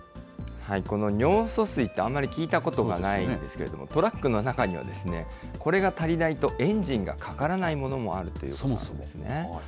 この尿素水ってあんまり聞いたことがないんですけれども、トラックの中にはこれが足りないとエンジンがかからないものもあそもそも？